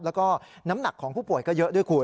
แล้วก็น้ำหนักของผู้ป่วยก็เยอะด้วยคุณ